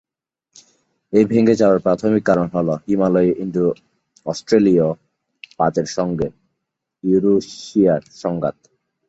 এই ভেঙে যাওয়ার প্রাথমিক কারণ হল হিমালয়ে ইন্দো-অস্ট্রেলীয় পাতের সঙ্গে ইউরেশিয়ার সংঘাত।